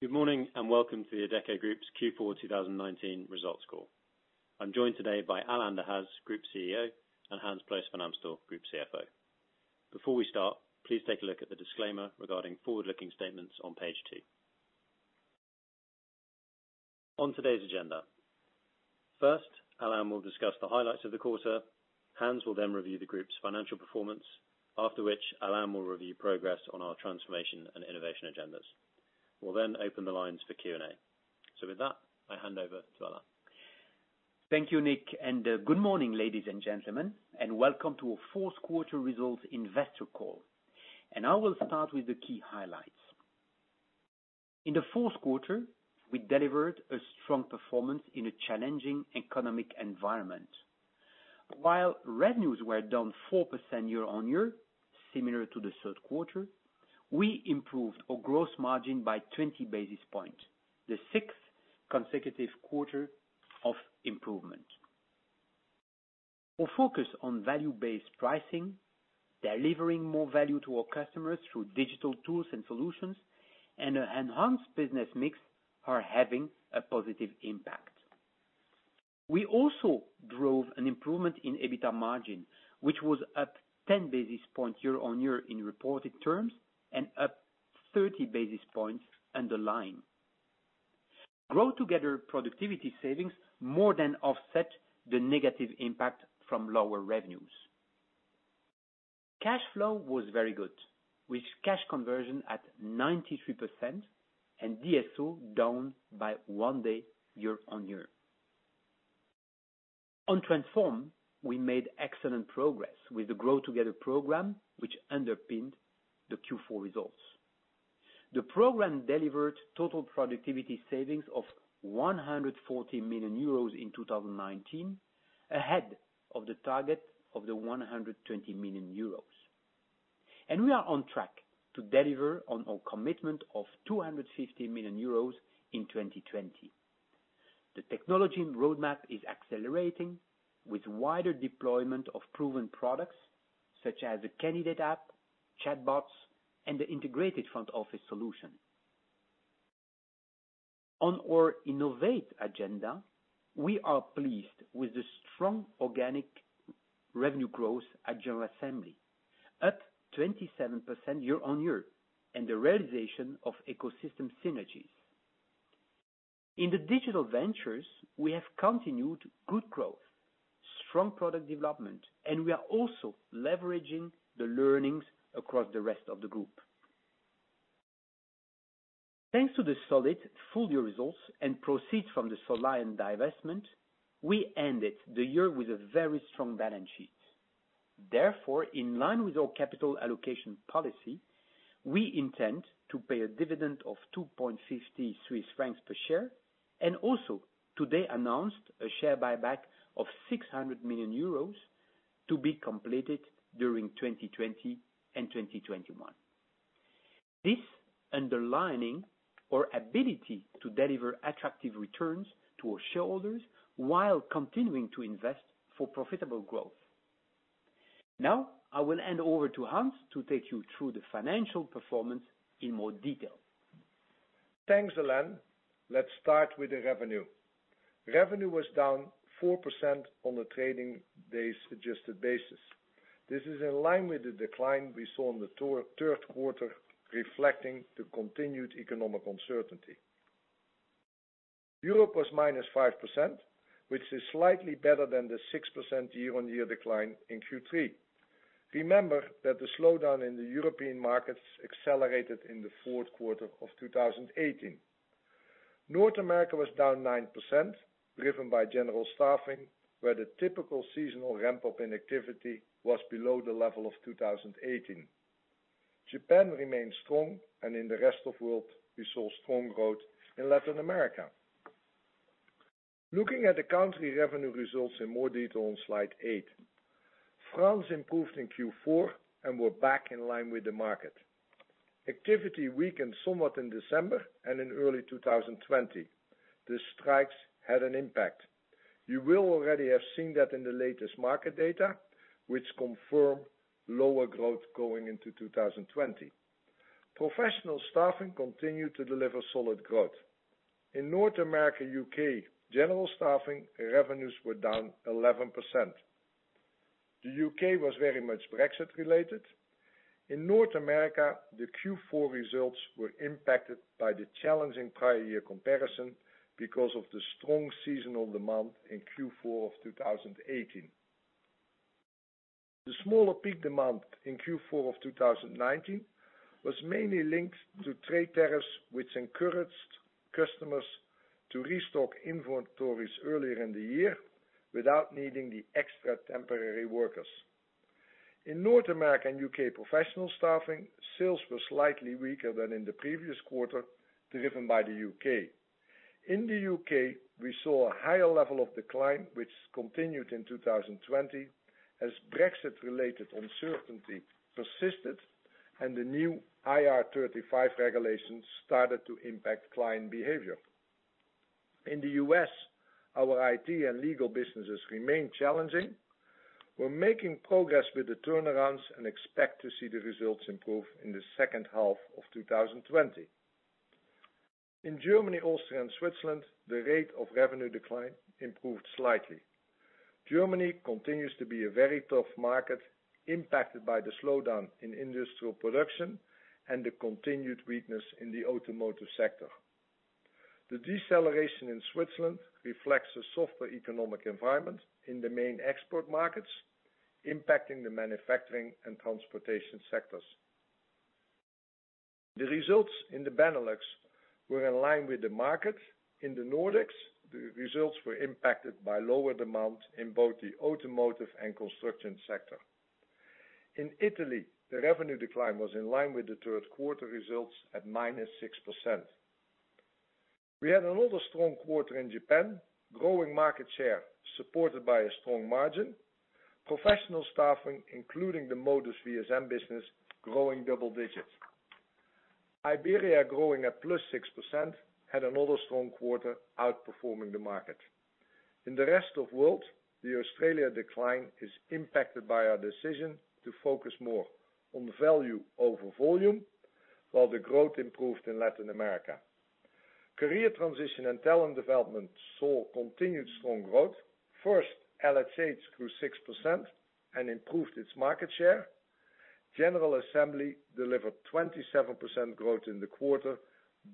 Good morning, and welcome to the Adecco Group's Q4 2019 results call. I'm joined today by Alain Dehaze, Group CEO, and Hans Ploos van Amstel, Group CFO. Before we start, please take a look at the disclaimer regarding forward-looking statements on page two. On today's agenda, first, Alain will discuss the highlights of the quarter. Hans will review the group's financial performance, after which Alain will review progress on our transformation and innovation agendas. We'll open the lines for Q&A. With that, I hand over to Alain. Thank you, Nick. Good morning, ladies and gentlemen, and welcome to our fourth quarter results investor call. I will start with the key highlights. In the fourth quarter, we delivered a strong performance in a challenging economic environment. While revenues were down 4% year-on-year, similar to the third quarter, we improved our gross margin by 20 basis points, the sixth consecutive quarter of improvement. Our focus on value-based pricing, delivering more value to our customers through digital tools and solutions, and an enhanced business mix are having a positive impact. We also drove an improvement in EBITDA margin, which was up 10 basis points year-on-year in reported terms and up 30 basis points underlying. GrowTogether productivity savings more than offset the negative impact from lower revenues. Cash flow was very good, with cash conversion at 93% and DSO down by one day year-on-year. On transform, we made excellent progress with the GrowTogether program, which underpinned the Q4 results. The program delivered total productivity savings of 140 million euros in 2019, ahead of the target of the 120 million euros. We are on track to deliver on our commitment of 250 million euros in 2020. The technology roadmap is accelerating with wider deployment of proven products such as the candidate app, chatbots, and the integrated front office solution. On our innovate agenda, we are pleased with the strong organic revenue growth at General Assembly, up 27% year-on-year, and the realization of ecosystem synergies. In the digital ventures, we have continued good growth, strong product development, and we are also leveraging the learnings across the rest of the group. Thanks to the solid full year results and proceeds from the Soliant divestment, we ended the year with a very strong balance sheet. Therefore, in line with our capital allocation policy, we intend to pay a dividend of 2.50 Swiss francs per share, and also today announced a share buyback of 600 million euros to be completed during 2020 and 2021. This underlining our ability to deliver attractive returns to our shareholders while continuing to invest for profitable growth. Now, I will hand over to Hans to take you through the financial performance in more detail. Thanks, Alain. Let's start with the revenue. Revenue was down 4% on a trading day's adjusted basis. This is in line with the decline we saw in the third quarter, reflecting the continued economic uncertainty. Europe was -5%, which is slightly better than the 6% year-on-year decline in Q3. Remember that the slowdown in the European markets accelerated in the fourth quarter of 2018. North America was down 9%, driven by general staffing, where the typical seasonal ramp-up in activity was below the level of 2018. Japan remained strong, and in the rest of world, we saw strong growth in Latin America. Looking at the country revenue results in more detail on slide eight. France improved in Q4 and were back in line with the market. Activity weakened somewhat in December and in early 2020. The strikes had an impact. You will already have seen that in the latest market data, which confirm lower growth going into 2020. Professional staffing continued to deliver solid growth. In North America, U.K., general staffing revenues were down 11%. The U.K. was very much Brexit related. In North America, the Q4 results were impacted by the challenging prior year comparison because of the strong seasonal demand in Q4 of 2018. The smaller peak demand in Q4 of 2019 was mainly linked to trade tariffs, which encouraged customers to restock inventories earlier in the year without needing the extra temporary workers. In North America and U.K. professional staffing, sales were slightly weaker than in the previous quarter, driven by the U.K. In the U.K., we saw a higher level of decline, which continued in 2020 as Brexit-related uncertainty persisted and the new IR35 regulations started to impact client behavior. In the U.S., our IT and legal businesses remain challenging. We're making progress with the turnarounds and expect to see the results improve in the second half of 2020. In Germany, Austria, and Switzerland, the rate of revenue decline improved slightly. Germany continues to be a very tough market, impacted by the slowdown in industrial production and the continued weakness in the automotive sector. The deceleration in Switzerland reflects a softer economic environment in the main export markets, impacting the manufacturing and transportation sectors. The results in the Benelux were in line with the market. In the Nordics, the results were impacted by lower demand in both the automotive and construction sector. In Italy, the revenue decline was in line with the third quarter results at -6%. We had another strong quarter in Japan, growing market share supported by a strong margin. Professional staffing, including the Modis VSN business, growing double digits. Iberia, growing at +6%, had another strong quarter outperforming the market. In the rest of world, the Australia decline is impacted by our decision to focus more on value over volume, while the growth improved in Latin America. Career transition and talent development saw continued strong growth. First, LHH grew 6% and improved its market share. General Assembly delivered 27% growth in the quarter,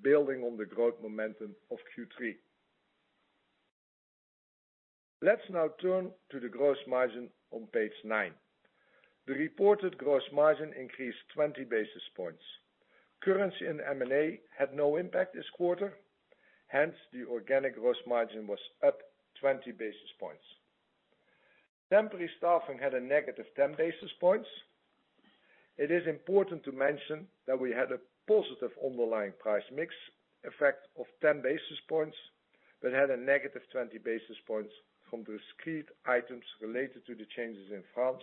building on the growth momentum of Q3. Let's now turn to the gross margin on page nine. The reported gross margin increased 20 basis points. Currency and M&A had no impact this quarter, hence the organic gross margin was up 20 basis points. Temporary staffing had a negative 10 basis points. It is important to mention that we had a positive underlying price mix effect of 10 basis points but had a negative 20 basis points from discrete items related to the changes in France,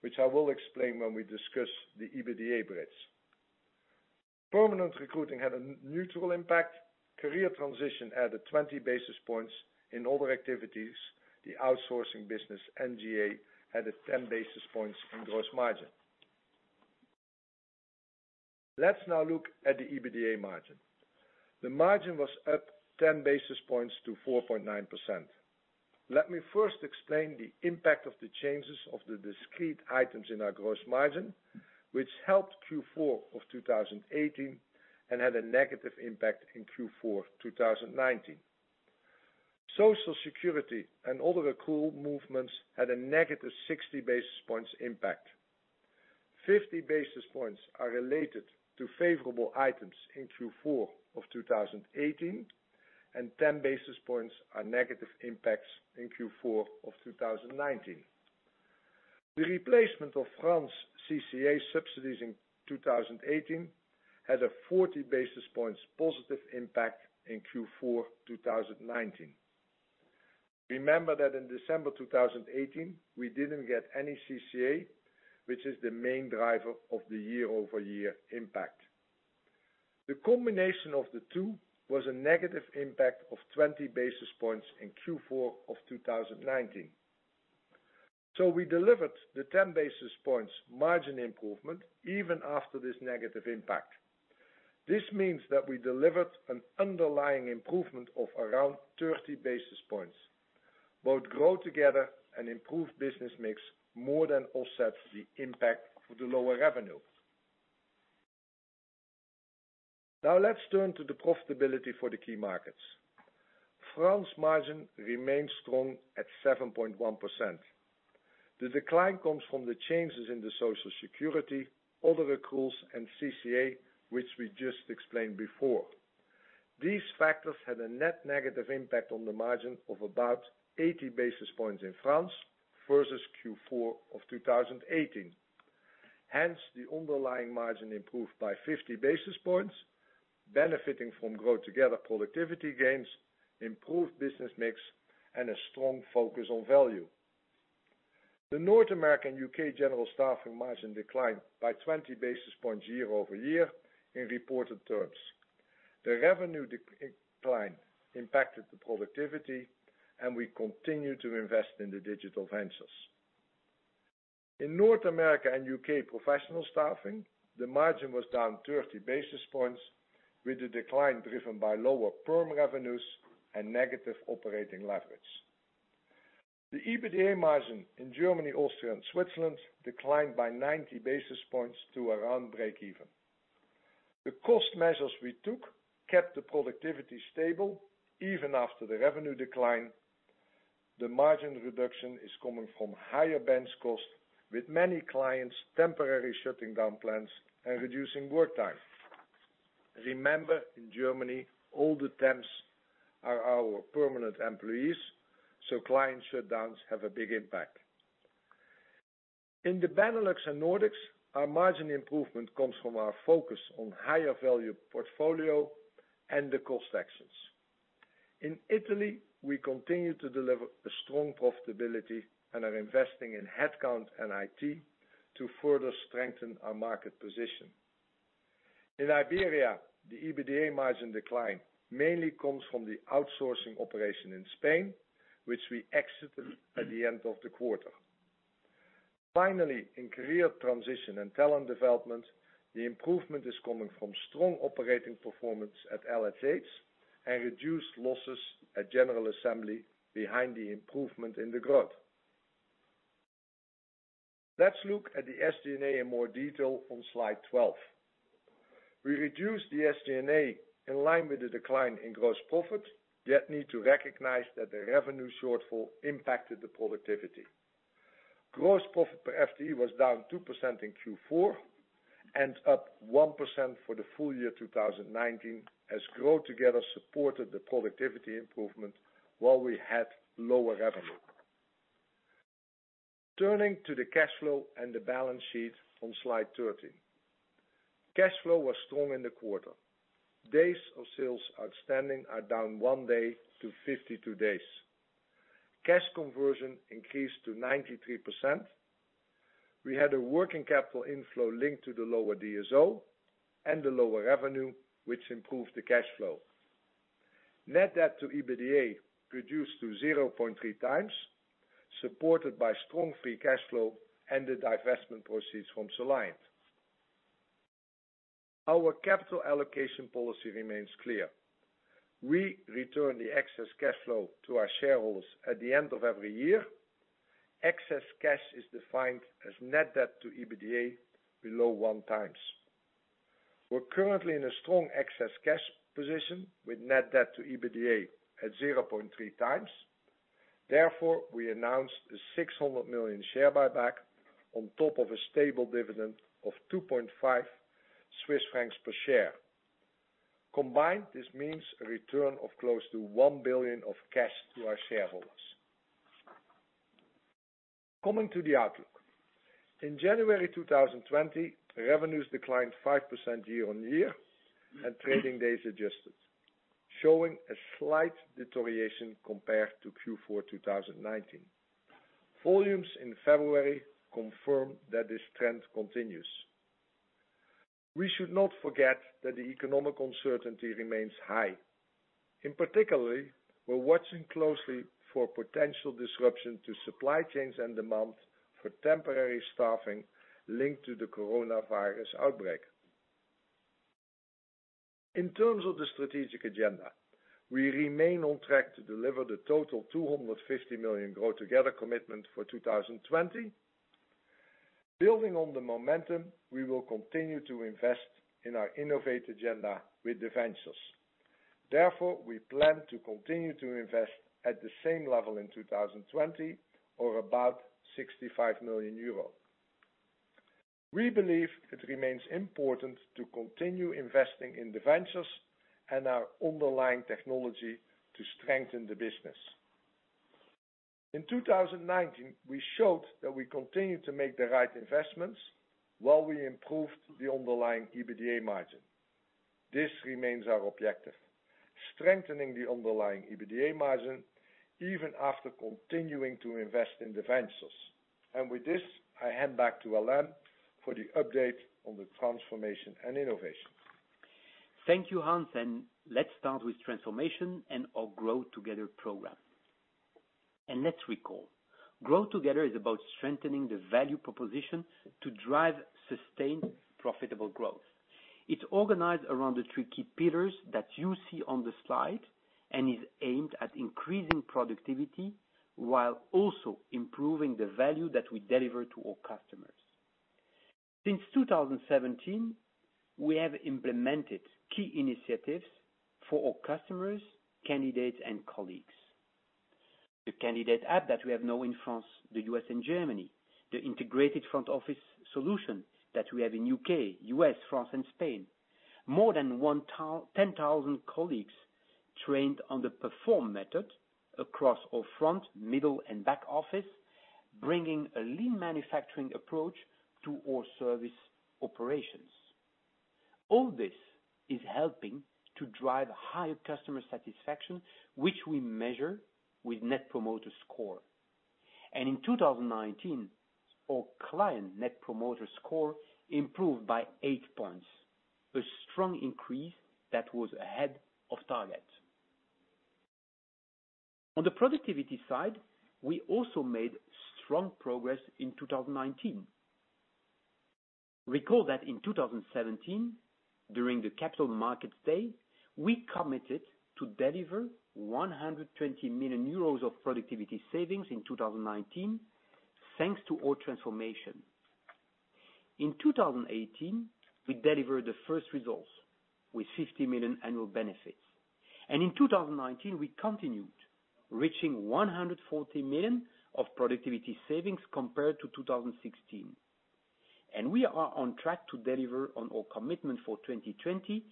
which I will explain when we discuss the EBITDA bridge. Permanent recruiting had a neutral impact. Career transition added 20 basis points. In other activities, the outsourcing business, NGA, added 10 basis points in gross margin. Let's now look at the EBITDA margin. The margin was up 10 basis points to 4.9%. Let me first explain the impact of the changes of the discrete items in our gross margin, which helped Q4 of 2018 and had a negative impact in Q4 2019. Social security and other accrual movements had a negative 60 basis points impact. 50 basis points are related to favorable items in Q4 2018, and 10 basis points are negative impacts in Q4 2019. The replacement of France CCA subsidies in 2018 had a 40 basis points positive impact in Q4 2019. Remember that in December 2018, we didn't get any CCA, which is the main driver of the year-over-year impact. The combination of the two was a negative impact of 20 basis points in Q4 2019. We delivered the 10 basis points margin improvement even after this negative impact. This means that we delivered an underlying improvement of around 30 basis points. Both GrowTogether and improved business mix more than offsets the impact of the lower revenue. Now let's turn to the profitability for the key markets. France margin remains strong at 7.1%. The decline comes from the changes in the Social Security, other accruals, and CCA, which we just explained before. These factors had a net negative impact on the margin of about 80 basis points in France versus Q4 of 2018. The underlying margin improved by 50 basis points, benefiting from GrowTogether productivity gains, improved business mix, and a strong focus on value. The North America and U.K. general staffing margin declined by 20 basis points year-over-year in reported terms. The revenue decline impacted the productivity, we continue to invest in the digital ventures. In North America and U.K. professional staffing, the margin was down 30 basis points, with the decline driven by lower perm revenues and negative operating leverage. The EBITDA margin in Germany, Austria, and Switzerland declined by 90 basis points to around break even. The cost measures we took kept the productivity stable even after the revenue decline. The margin reduction is coming from higher bench cost, with many clients temporarily shutting down plans and reducing work time. Remember, in Germany, all the temps are our permanent employees, so client shutdowns have a big impact. In the Benelux and Nordics, our margin improvement comes from our focus on higher value portfolio and the cost actions. In Italy, we continue to deliver a strong profitability and are investing in headcount and IT to further strengthen our market position. In Iberia, the EBITDA margin decline mainly comes from the outsourcing operation in Spain, which we exited at the end of the quarter. Finally, in career transition and talent development, the improvement is coming from strong operating performance at LHH and reduced losses at General Assembly behind the improvement in the growth. Let's look at the SG&A in more detail on slide 12. We reduced the SG&A in line with the decline in gross profit, yet need to recognize that the revenue shortfall impacted the productivity. Gross profit per FTE was down 2% in Q4 and up 1% for the full year 2019 as GrowTogether supported the productivity improvement while we had lower revenue. Turning to the cash flow and the balance sheet on slide 13. Cash flow was strong in the quarter. Days of sales outstanding are down one day to 52 days. Cash conversion increased to 93%. We had a working capital inflow linked to the lower DSO and the lower revenue, which improved the cash flow. Net debt to EBITDA reduced to 0.3x, supported by strong free cash flow and the divestment proceeds from Soliant. Our capital allocation policy remains clear. We return the excess cash flow to our shareholders at the end of every year. Excess cash is defined as net debt to EBITDA below 1x. We're currently in a strong excess cash position with net debt to EBITDA at 0.3x. We announced a 600 million share buyback on top of a stable dividend of 2.5 Swiss francs per share. Combined, this means a return of close to 1 billion of cash to our shareholders. Coming to the outlook. In January 2020, revenues declined 5% year-over-year and trading days adjusted, showing a slight deterioration compared to Q4 2019. Volumes in February confirm that this trend continues. We should not forget that the economic uncertainty remains high. In particular, we're watching closely for potential disruption to supply chains and demand for temporary staffing linked to the coronavirus outbreak. In terms of the strategic agenda, we remain on track to deliver the total 250 million GrowTogether commitment for 2020. Building on the momentum, we will continue to invest in our innovate agenda with the ventures. We plan to continue to invest at the same level in 2020, or about 65 million euro. We believe it remains important to continue investing in the ventures and our underlying technology to strengthen the business. In 2019, we showed that we continued to make the right investments while we improved the underlying EBITDA margin. This remains our objective, strengthening the underlying EBITDA margin even after continuing to invest in the ventures. With this, I hand back to Alain for the update on the transformation and innovation. Thank you, Hans, let's start with transformation and our GrowTogether program. Let's recall, GrowTogether is about strengthening the value proposition to drive sustained profitable growth. It's organized around the three key pillars that you see on the slide and is aimed at increasing productivity while also improving the value that we deliver to our customers. Since 2017, we have implemented key initiatives for our customers, candidates, and colleagues. The candidate app that we have now in France, the U.S., and Germany, the integrated front office solution that we have in U.K., U.S., France, and Spain. More than 10,000 colleagues trained on the Perform method across all front, middle, and back office, bringing a lean manufacturing approach to all service operations. All this is helping to drive higher customer satisfaction, which we measure with Net Promoter Score. In 2019, our client Net Promoter Score improved by eight points, a strong increase that was ahead of target. On the productivity side, we also made strong progress in 2019. Recall that in 2017, during the Capital Markets Day, we committed to deliver 120 million euros of productivity savings in 2019, thanks to our transformation. In 2018, we delivered the first results with 60 million annual benefits. In 2019, we continued, reaching 140 million of productivity savings compared to 2016. We are on track to deliver on our commitment for 2020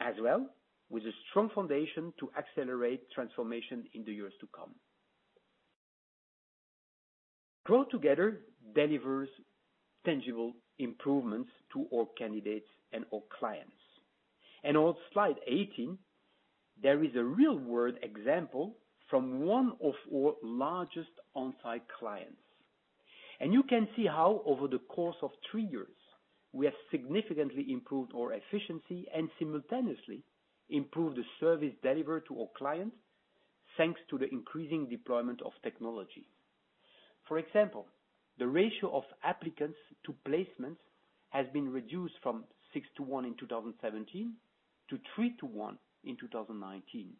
as well, with a strong foundation to accelerate transformation in the years to come. GrowTogether delivers tangible improvements to all candidates and all clients. On slide 18, there is a real-world example from one of our largest onsite clients. You can see how over the course of three years, we have significantly improved our efficiency and simultaneously improved the service delivered to our clients, thanks to the increasing deployment of technology. For example, the ratio of applicants to placements has been reduced from 6:1 in 2017 to 3:1 in 2019,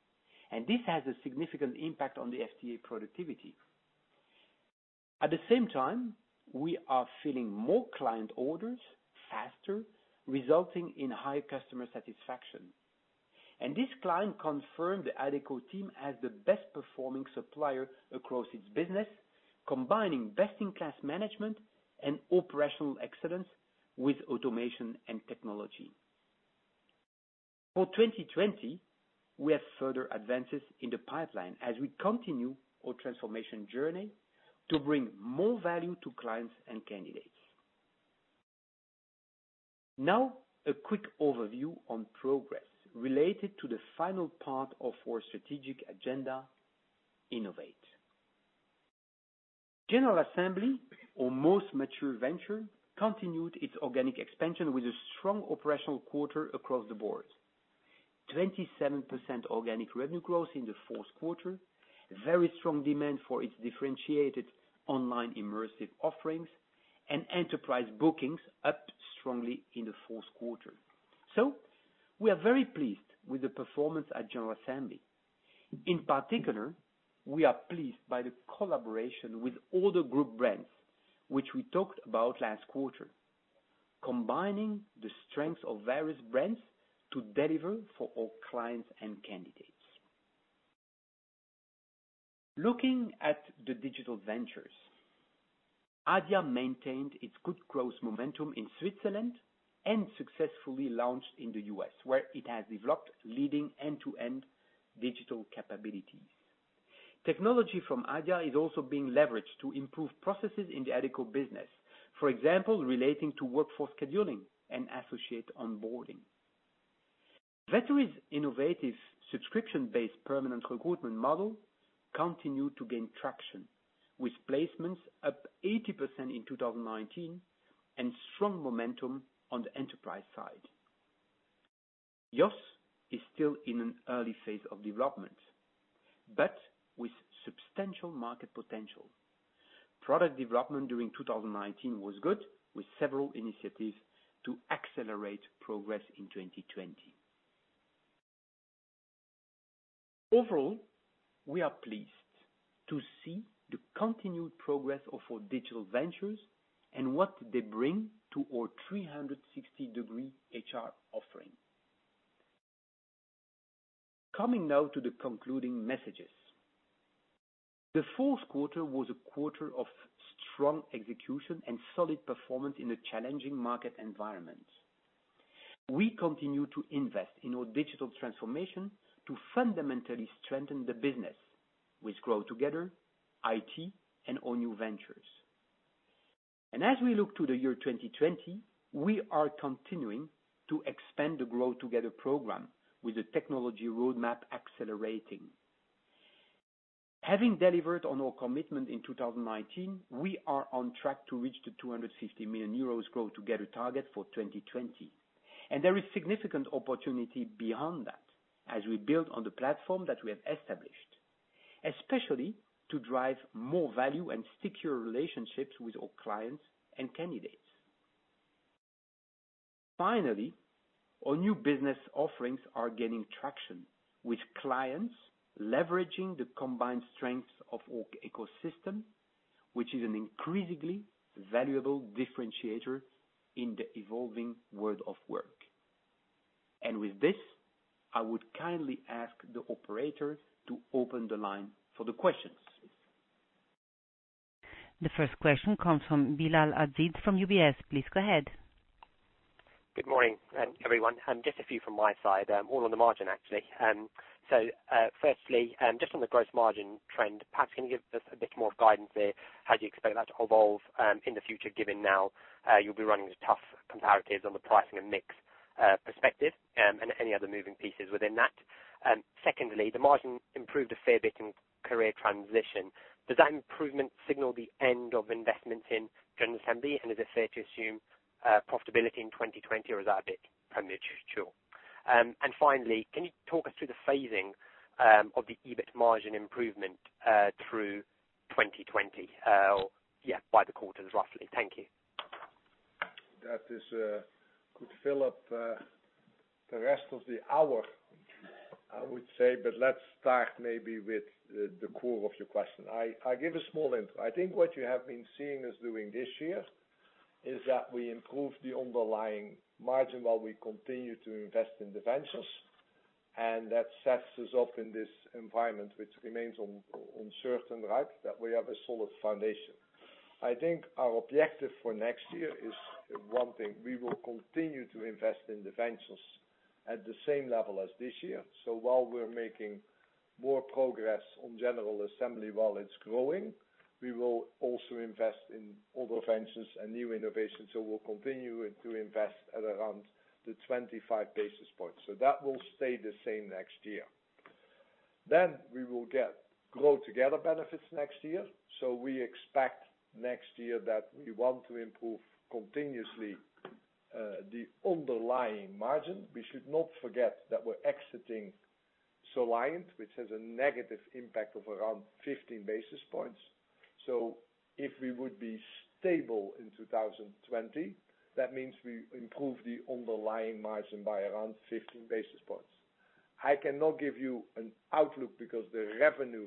and this has a significant impact on the FTE productivity. At the same time, we are filling more client orders faster, resulting in higher customer satisfaction. This client confirmed the Adecco team as the best performing supplier across its business, combining best-in-class management and operational excellence with automation and technology. For 2020, we have further advances in the pipeline as we continue our transformation journey to bring more value to clients and candidates. A quick overview on progress related to the final part of our strategic agenda, innovate. General Assembly, our most mature venture, continued its organic expansion with a strong operational quarter across the board. 27% organic revenue growth in the fourth quarter. Very strong demand for its differentiated online immersive offerings, and enterprise bookings up strongly in the fourth quarter. We are very pleased with the performance at General Assembly. In particular, we are pleased by the collaboration with all the group brands, which we talked about last quarter, combining the strengths of various brands to deliver for our clients and candidates. Looking at the digital ventures, Adia maintained its good growth momentum in Switzerland and successfully launched in the U.S., where it has developed leading end-to-end digital capabilities. Technology from Adia is also being leveraged to improve processes in the Adecco business. For example, relating to workforce scheduling and associate onboarding. Vettery's innovative subscription-based permanent recruitment model continued to gain traction, with placements up 80% in 2019 and strong momentum on the enterprise side. Yoss is still in an early phase of development, but with substantial market potential. Product development during 2019 was good, with several initiatives to accelerate progress in 2020. Overall, we are pleased to see the continued progress of our digital ventures and what they bring to our 360-degree HR offering. Coming now to the concluding messages. The fourth quarter was a quarter of strong execution and solid performance in a challenging market environment. We continue to invest in our digital transformation to fundamentally strengthen the business with GrowTogether, IT, and our new ventures. As we look to the year 2020, we are continuing to expand the GrowTogether program with the technology roadmap accelerating. Having delivered on our commitment in 2019, we are on track to reach the 250 million euros GrowTogether target for 2020, and there is significant opportunity beyond that as we build on the platform that we have established, especially to drive more value and secure relationships with our clients and candidates. Finally, our new business offerings are gaining traction with clients leveraging the combined strengths of our ecosystem, which is an increasingly valuable differentiator in the evolving world of work. With this, I would kindly ask the operator to open the line for the questions. The first question comes from Bilal Aziz from UBS. Please go ahead. Good morning everyone. Just a few from my side. All on the margin, actually. Firstly, just on the gross margin trend, perhaps can you give us a bit more guidance there? How do you expect that to evolve in the future, given now you'll be running the tough comparatives on the pricing and mix perspective and any other moving pieces within that? Secondly, the margin improved a fair bit in Career Transition. Does that improvement signal the end of investments in General Assembly, and is it fair to assume profitability in 2020, or is that a bit premature to assure? Finally, can you talk us through the phasing of the EBIT margin improvement through 2020 by the quarters, roughly? Thank you. That could fill up the rest of the hour, I would say. Let's start maybe with the core of your question. I give a small intro. I think what you have been seeing us doing this year is that we improve the underlying margin while we continue to invest in the ventures, and that sets us up in this environment, which remains uncertain, that we have a solid foundation. I think our objective for next year is one thing. We will continue to invest in the ventures at the same level as this year. While we're making More progress on General Assembly while it's growing. We will also invest in other ventures and new innovations. We'll continue to invest at around the 25 basis points. That will stay the same next year. We will get GrowTogether benefits next year. We expect next year that we want to improve continuously, the underlying margin. We should not forget that we're exiting Soliant, which has a negative impact of around 15 basis points. If we would be stable in 2020, that means we improve the underlying margin by around 15 basis points. I cannot give you an outlook because the revenue,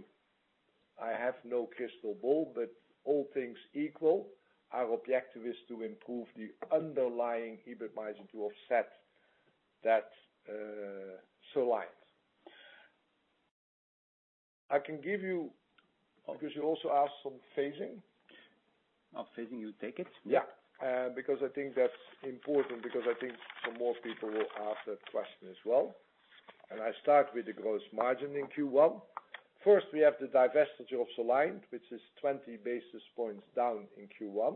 I have no crystal ball, but all things equal, our objective is to improve the underlying EBIT margin to offset that Soliant. I can give you, because you also asked some phasing. Of phasing, you take it? Yeah. Because I think that's important because I think some more people will ask that question as well. I start with the gross margin in Q1. First, we have the divestiture of Soliant, which is 20 basis points down in Q1.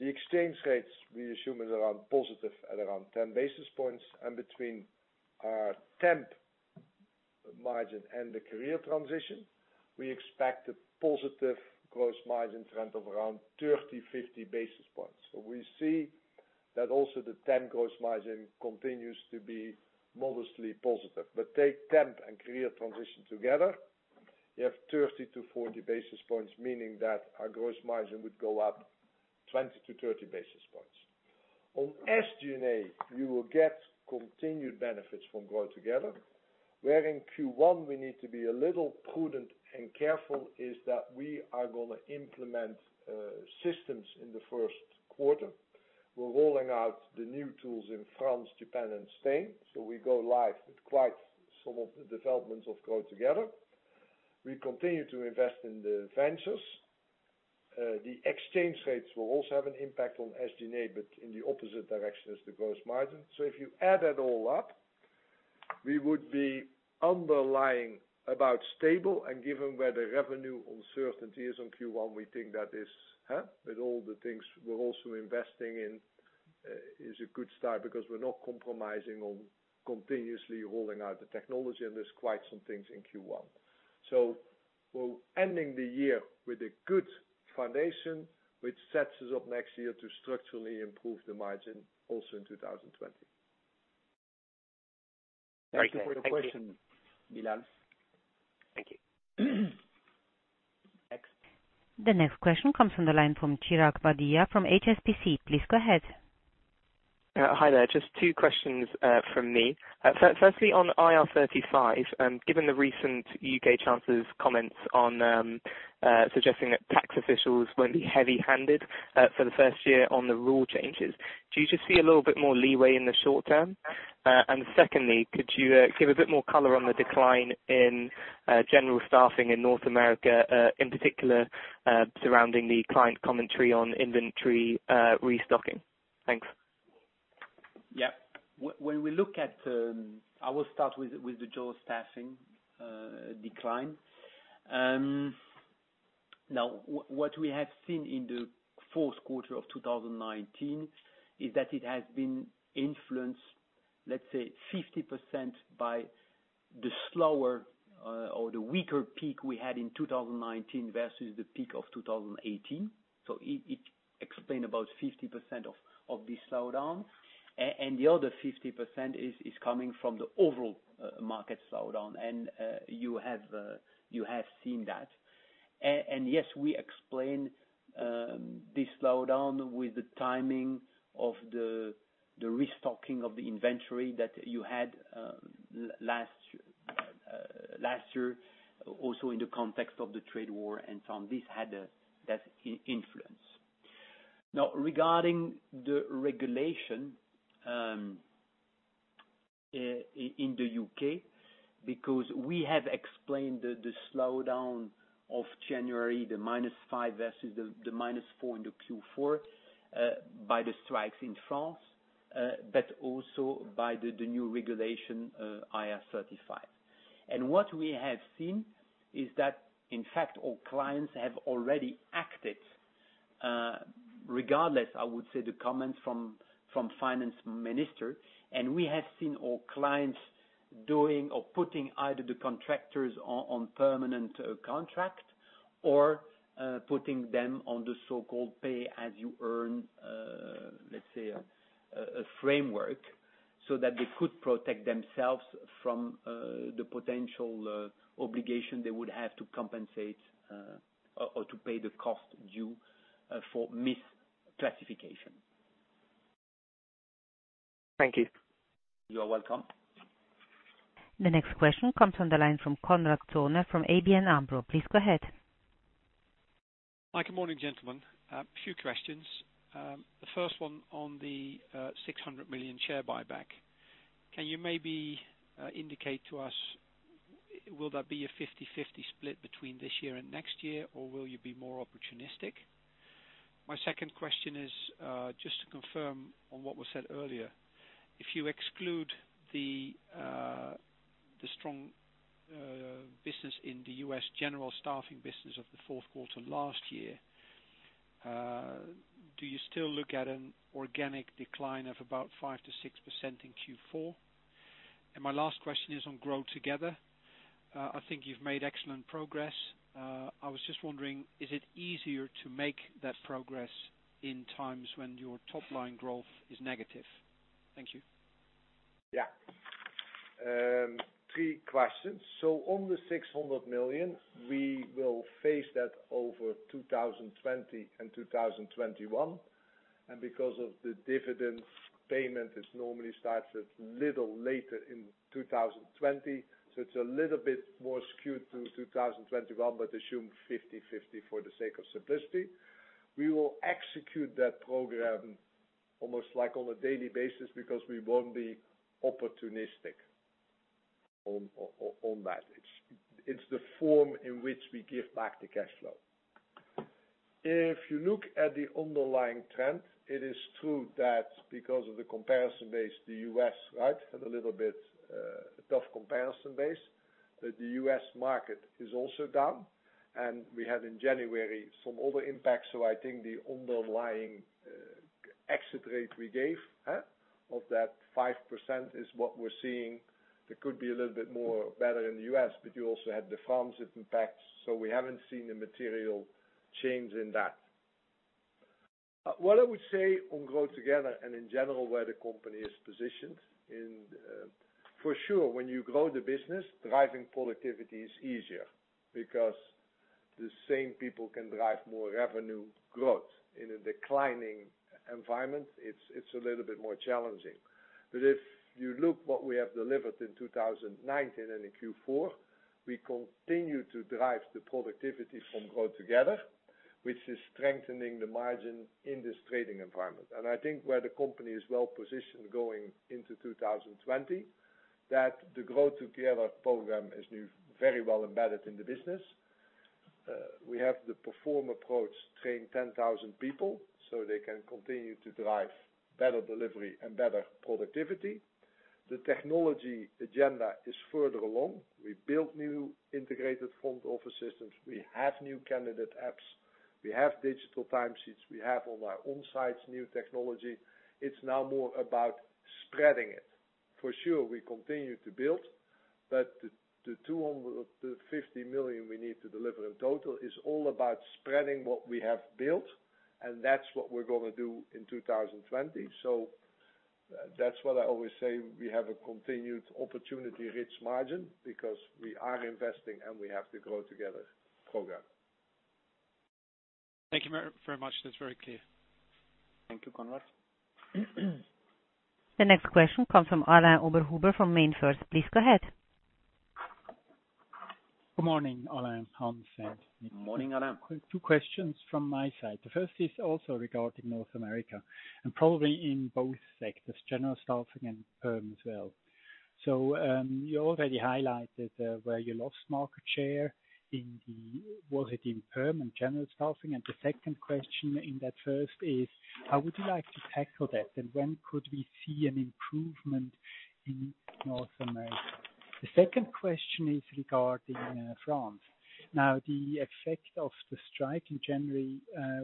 The exchange rates we assume is around positive at around 10 basis points. Between our temp margin and the career transition, we expect a positive gross margin trend of around 30-50 basis points. We see that also the temp gross margin continues to be modestly positive. Take temp and career transition together, you have 30-40 basis points, meaning that our gross margin would go up 20-30 basis points. On SG&A, you will get continued benefits from GrowTogether, where in Q1 we need to be a little prudent and careful is that we are going to implement systems in the first quarter. We're rolling out the new tools in France, Japan, and Spain. We go live with quite some of the developments of GrowTogether. We continue to invest in the ventures. The exchange rates will also have an impact on SG&A, but in the opposite direction as the gross margin. If you add that all up, we would be underlying about stable and given where the revenue uncertainty is on Q1, we think that is, with all the things we're also investing in, is a good start because we're not compromising on continuously rolling out the technology, and there's quite some things in Q1. We're ending the year with a good foundation, which sets us up next year to structurally improve the margin also in 2020. Thank you for the question, Bilal. Thank you. Next. The next question comes from the line from Chirag Vadhia from HSBC. Please go ahead. Hi there. Just two questions from me. Firstly on IR35, given the recent U.K. Chancellor's comments on suggesting that tax officials won't be heavy-handed for the first year on the rule changes, do you just see a little bit more leeway in the short term? Secondly, could you give a bit more color on the decline in general staffing in North America, in particular, surrounding the client commentary on inventory restocking? Thanks. Yeah. I will start with the job staffing decline. Now, what we have seen in the fourth quarter of 2019 is that it has been influenced, let's say, 50% by the slower or the weaker peak we had in 2019 versus the peak of 2018. It explain about 50% of this slowdown. The other 50% is coming from the overall market slowdown. You have seen that. Yes, we explain this slowdown with the timing of the restocking of the inventory that you had last year, also in the context of the trade war, and from this had that influence. Now, regarding the regulation in the U.K., because we have explained the slowdown of January, the -5 versus the -4 in the Q4, by the strikes in France, but also by the new regulation, IR35. What we have seen is that in fact, our clients have already acted, regardless, I would say, the comments from finance minister, and we have seen our clients doing or putting either the contractors on permanent contract or putting them on the so-called Pay As You Earn, let's say a framework so that they could protect themselves from the potential obligation they would have to compensate or to pay the cost due for misclassification. Thank you. You are welcome. The next question comes from the line from Konrad Zomer from ABN AMRO. Please go ahead. Hi, good morning, gentlemen. A few questions. The first one on the 600 million share buyback. Can you maybe indicate to us, will that be a 50/50 split between this year and next year, or will you be more opportunistic? My second question is just to confirm on what was said earlier. If you exclude the strong business in the U.S. general staffing business of the fourth quarter last year, do you still look at an organic decline of about 5%-6% in Q4? My last question is on GrowTogether. I think you've made excellent progress. I was just wondering, is it easier to make that progress in times when your top-line growth is negative? Thank you. Yeah. Three questions. On the 600 million, we will phase that over 2020 and 2021, and because of the dividend payment, it normally starts a little later in 2020, so it is a little bit more skewed to 2021, but assume 50/50 for the sake of simplicity. We will execute that program almost like on a daily basis because we won't be opportunistic on that. It's the form in which we give back the cash flow. If you look at the underlying trend, it is true that because of the comparison base, the U.S., right, had a little bit of a tough comparison base, that the U.S. market is also down. We had in January some other impacts. I think the underlying exit rate we gave of that 5% is what we're seeing. It could be a little bit more better in the U.S., but you also had the France impact, so we haven't seen a material change in that. What I would say on GrowTogether and in general, where the company is positioned, for sure, when you grow the business, driving productivity is easier because the same people can drive more revenue growth. In a declining environment, it's a little bit more challenging. If you look what we have delivered in 2019 and in Q4, we continue to drive the productivity from GrowTogether, which is strengthening the margin in this trading environment. I think where the company is well positioned going into 2020, that the GrowTogether program is now very well embedded in the business. We have the Perform approach, training 10,000 people so they can continue to drive better delivery and better productivity. The technology agenda is further along. We built new integrated front office systems. We have new candidate apps. We have digital timesheets. We have on our on-sites new technology. It's now more about spreading it. For sure, we continue to build, but the 250 million we need to deliver in total is all about spreading what we have built, and that's what we're going to do in 2020. That's what I always say, we have a continued opportunity, rich margin, because we are investing and we have the GrowTogether program. Thank you very much. That's very clear. Thank you, Konrad. The next question comes from Alain Oberhuber, from MainFirst. Please go ahead. Good morning, Alain, Hans, and Nick. Morning, Alain. Two questions from my side. The first is also regarding North America and probably in both sectors, general staffing and perm as well. You already highlighted where you lost market share, was it in perm and general staffing? The second question in that first is, how would you like to tackle that, and when could we see an improvement in North America? The second question is regarding France. The effect of the strike in January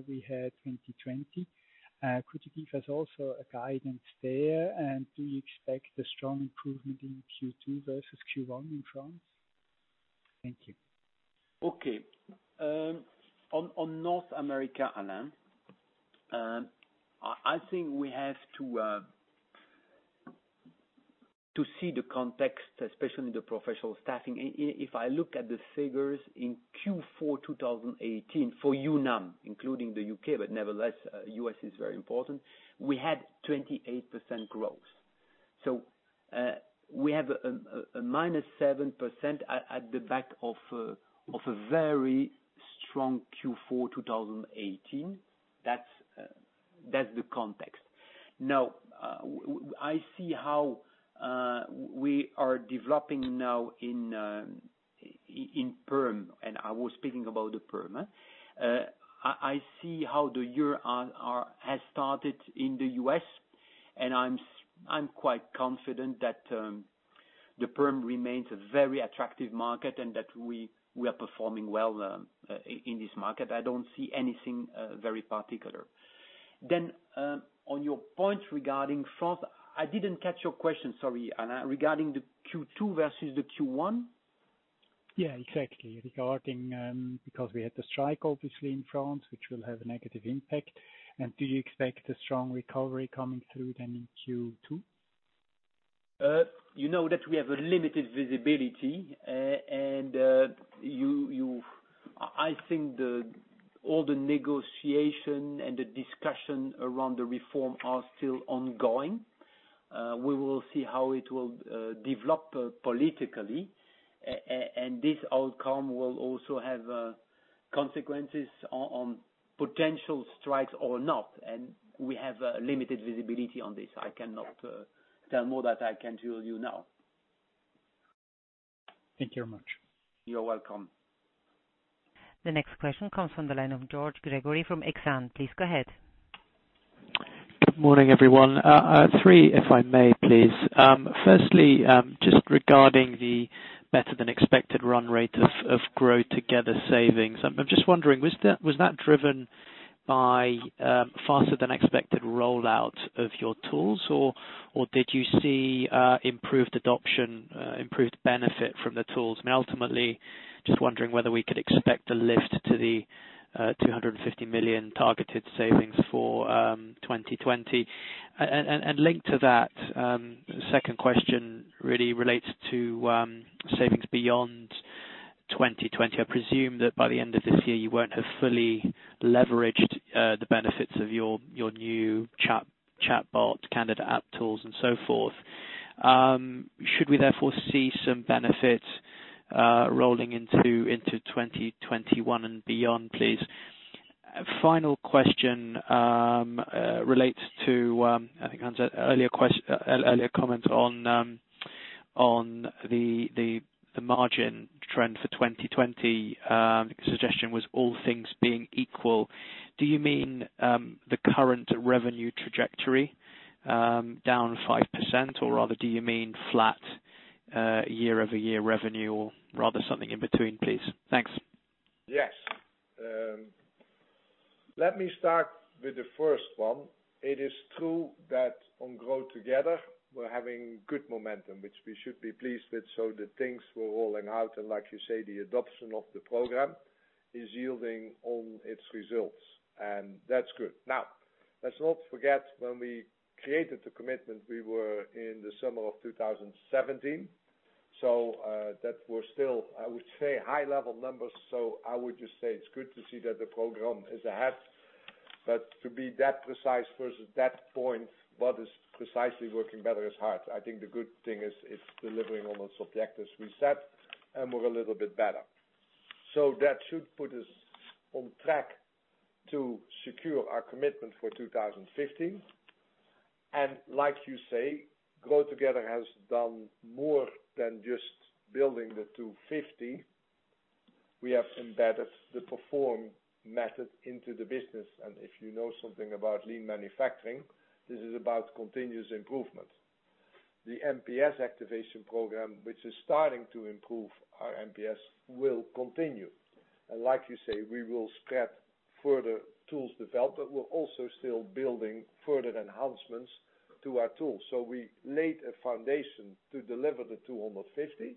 we had 2020. Could you give us also a guidance there? Do you expect a strong improvement in Q2 versus Q1 in France? Thank you. Okay. On North America, Alain, I think we have to see the context, especially in the professional staffing. If I look at the figures in Q4 2018 for UNAM, including the U.K., but nevertheless, U.S. is very important, we had 28% growth. We have -7% at the back of a very strong Q4 2018. That's the context. I see how we are developing now in perm, and I was speaking about the perm. I see how the year has started in the U.S., and I'm quite confident that the perm remains a very attractive market and that we are performing well in this market. I don't see anything very particular. On your point regarding France, I didn't catch your question, sorry, Alain. Regarding the Q2 versus the Q1? Yeah, exactly. Regarding, because we had the strike, obviously, in France, which will have a negative impact. Do you expect a strong recovery coming through then in Q2? You know that we have a limited visibility, and I think all the negotiation and the discussion around the reform are still ongoing. We will see how it will develop politically, and this outcome will also have consequences on potential strikes or not. We have limited visibility on this. I cannot tell more than I can tell you now. Thank you very much. You're welcome. The next question comes from the line of George Gregory from Exane. Please go ahead. Good morning, everyone. Three, if I may, please. Firstly, just regarding the better than expected run rate of GrowTogether savings. I'm just wondering, was that driven by faster than expected rollout of your tools? Did you see improved adoption, improved benefit from the tools? Ultimately, just wondering whether we could expect a lift to the 250 million targeted savings for 2020. Linked to that, second question really relates to savings beyond 2020. I presume that by the end of this year, you won't have fully leveraged the benefits of your new chatbot, candidate app tools, and so forth. Should we therefore see some benefit rolling into 2021 and beyond, please? Final question relates to, I think, Hans, earlier comment on the margin trend for 2020. Suggestion was all things being equal. Do you mean, the current revenue trajectory, down 5%? Do you mean flat year-over-year revenue, or rather something in between, please? Thanks. Yes. Let me start with the first one. It is true that on GrowTogether, we're having good momentum, which we should be pleased with, so the things we're rolling out, like you say, the adoption of the program is yielding on its results. That's good. Now, let's not forget when we created the commitment, we were in the summer of 2017. That was still, I would say, high level numbers. I would just say it's good to see that the program is ahead. To be that precise versus that point, what is precisely working better is hard. I think the good thing is it's delivering on those objectives we set, and we're a little bit better. That should put us on track to secure our commitment for 2015. Like you say, GrowTogether has done more than just building the 250. We have embedded the Perform method into the business, and if you know something about lean manufacturing, this is about continuous improvement. The MPS activation program, which is starting to improve our MPS, will continue. Like you say, we will spread further tools development. We're also still building further enhancements to our tools. We laid a foundation to deliver the 250,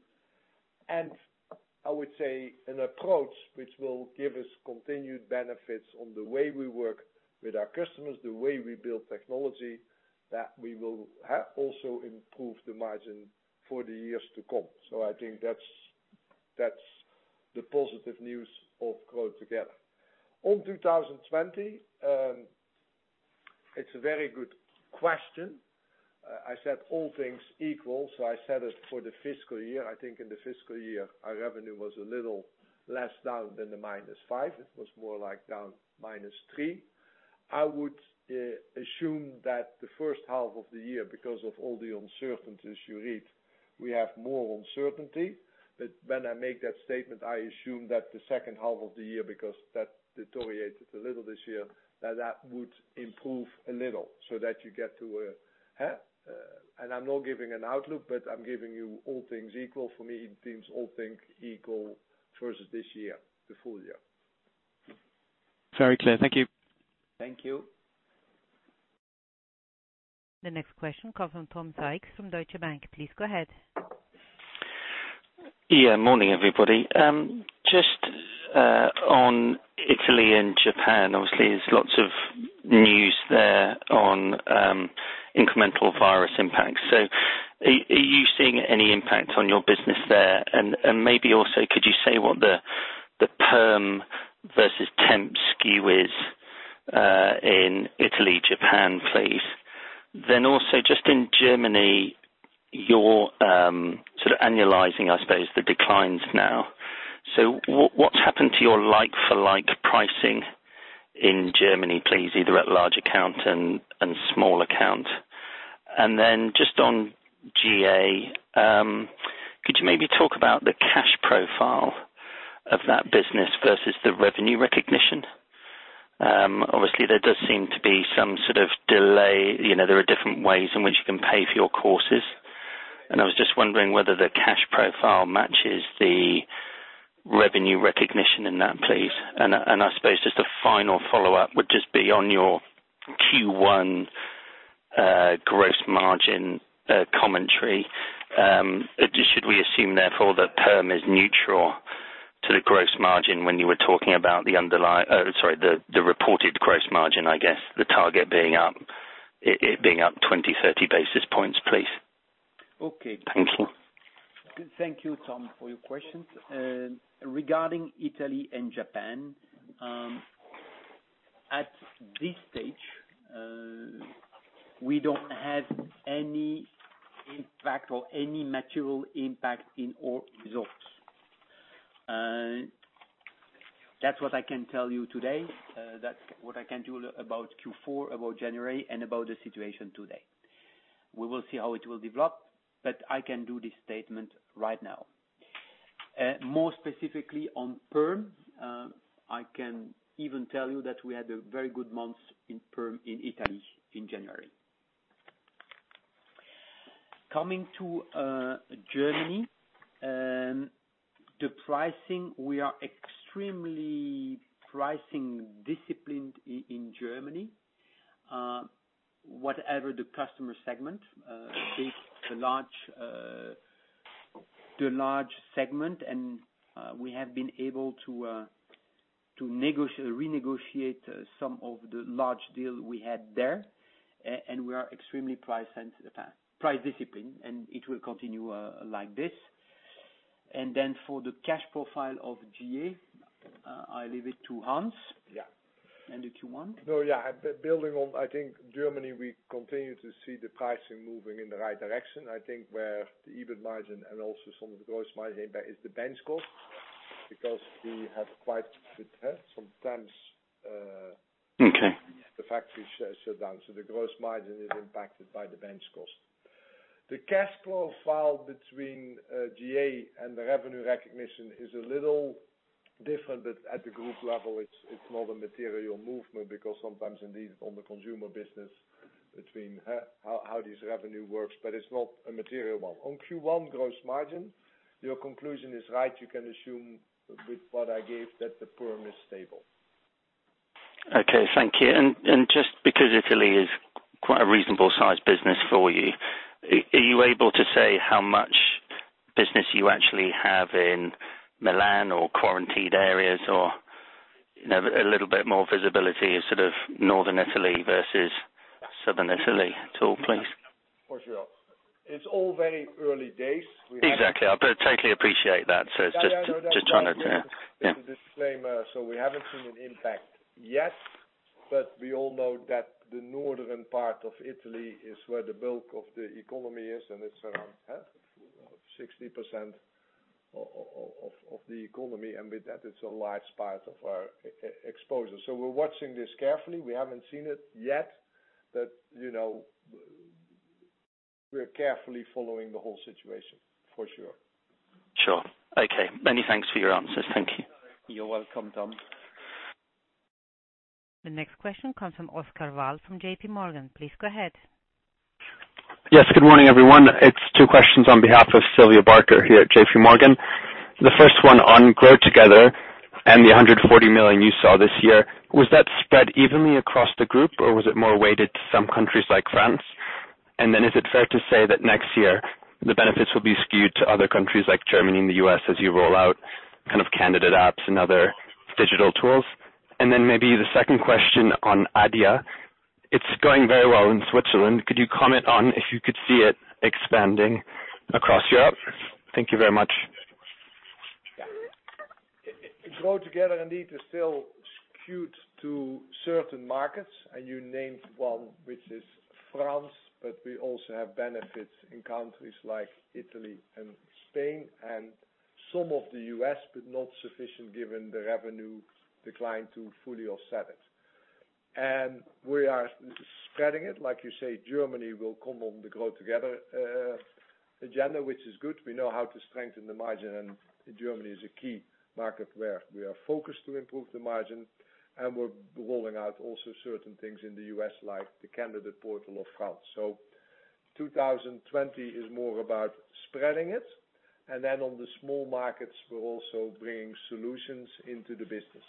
and I would say an approach which will give us continued benefits on the way we work with our customers, the way we build technology, that we will also improve the margin for the years to come. I think that's the positive news of GrowTogether. On 2020, it's a very good question. I said all things equal, so I said it for the fiscal year. I think in the fiscal year, our revenue was a little less down than the -5%. It was more like down -3. I would assume that the first half of the year, because of all the uncertainties you read, we have more uncertainty. When I make that statement, I assume that the second half of the year, because that deteriorated a little this year, that that would improve a little, so that you get to a half. I'm not giving an outlook, but I'm giving you all things equal. For me, it seems all things equal versus this year, the full year. Very clear. Thank you. Thank you. The next question comes from Tom Sykes from Deutsche Bank. Please go ahead. Yeah. Morning, everybody. Just on Italy and Japan, obviously, there's lots of news there on incremental coronavirus impact. Are you seeing any impact on your business there? Maybe also could you say what the perm versus temp skew is, in Italy, Japan, please? Also just in Germany, you're sort of annualizing, I suppose, the declines now. What's happened to your like-for-like pricing in Germany, please, either at large account and small account? Then just on GA, could you maybe talk about the cash profile of that business versus the revenue recognition? Obviously, there does seem to be some sort of delay, there are different ways in which you can pay for your courses. I was just wondering whether the cash profile matches the revenue recognition in that, please. I suppose just a final follow-up would just be on your Q1 gross margin commentary. Should we assume therefore that perm is neutral to the gross margin when you were talking about the reported gross margin, I guess, the target being up 20, 30 basis points, please? Okay. Thank you. Thank you, Tom, for your questions. Regarding Italy and Japan, at this stage, we don't have any impact or any material impact in our results. That's what I can tell you today. That's what I can tell you about Q4, about January, and about the situation today. We will see how it will develop, but I can do this statement right now. More specifically on Perm, I can even tell you that we had a very good month in Perm in Italy in January. Coming to Germany, the pricing, we are extremely pricing disciplined in Germany, whatever the customer segment. Be it the large segment, and we have been able to renegotiate some of the large deals we had there, and we are extremely price disciplined, and it will continue like this. For the cash profile of GA, I leave it to Hans. Yeah. If you want. No, yeah. Building on, I think Germany, we continue to see the pricing moving in the right direction. I think where the EBIT margin and also some of the gross margin impact is the bench cost because we have quite sometimes- Okay The factory shut down. The gross margin is impacted by the bench cost. The cash flow file between GA and the revenue recognition is a little different at the group level. It's more of a material movement because sometimes indeed on the consumer business between how this revenue works, but it's not a material one. On Q1 gross margin, your conclusion is right. You can assume with what I gave that the Perm is stable. Okay, thank you. Just because Italy is quite a reasonable size business for you, are you able to say how much business you actually have in Milan or quarantined areas or a little bit more visibility in sort of Northern Italy versus Southern Italy at all, please? For sure. It's all very early days. Exactly. I totally appreciate that. Yeah. No. Yeah. It's the same. We haven't seen an impact yet, but we all know that the northern part of Italy is where the bulk of the economy is, and it's around 60% of the economy, and with that, it's a large part of our exposure. We're watching this carefully. We haven't seen it yet. We're carefully following the whole situation for sure. Sure. Okay. Many thanks for your answers. Thank you. You're welcome, Tom. The next question comes from Oscar Val from JPMorgan. Please go ahead. Yes, good morning, everyone. It's two questions on behalf of Sylvia Barker here at JPMorgan. The first one on GrowTogether and the 140 million you saw this year, was that spread evenly across the group, or was it more weighted to some countries like France? Is it fair to say that next year the benefits will be skewed to other countries like Germany and the U.S. as you roll out kind of candidate apps and other digital tools? Maybe the second question on Adia. It's going very well in Switzerland. Could you comment on if you could see it expanding across Europe? Thank you very much. GrowTogether indeed is still skewed to certain markets, and you named one, which is France, but we also have benefits in countries like Italy and Spain and some of the U.S., but not sufficient given the revenue decline to fully offset it. We are spreading it, like you say, Germany will come on the GrowTogether agenda, which is good. We know how to strengthen the margin, and Germany is a key market where we are focused to improve the margin, and we're rolling out also certain things in the U.S. like the candidate portal of France. 2020 is more about spreading it. On the small markets, we're also bringing solutions into the business.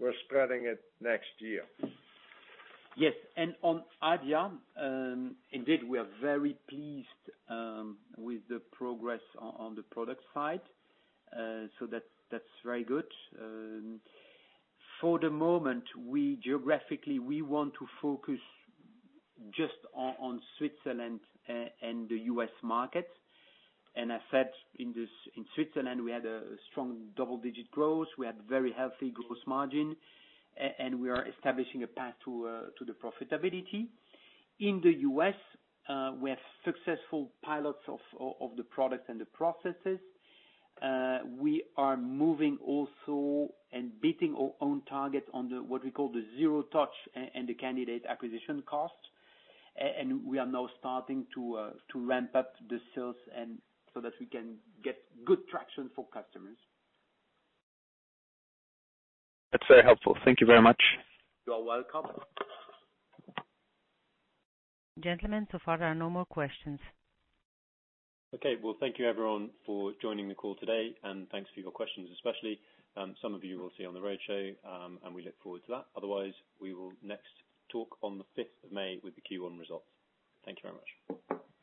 We're spreading it next year. Yes. On Adia, indeed, we are very pleased with the progress on the product side. That's very good. For the moment, geographically, we want to focus just on Switzerland and the U.S. market. I said in Switzerland, we had a strong double-digit growth. We had very healthy gross margin, and we are establishing a path to the profitability. In the U.S., we have successful pilots of the products and the processes. We are moving also and beating our own target on the, what we call the zero touch and the candidate acquisition cost. We are now starting to ramp up the sales so that we can get good traction for customers. That's very helpful. Thank you very much. You are welcome. Gentlemen, so far there are no more questions. Okay. Well, thank you everyone for joining the call today, and thanks for your questions, especially. Some of you we'll see on the roadshow, and we look forward to that. Otherwise, we will next talk on the 5th of May with the Q1 results. Thank you very much. Thank you.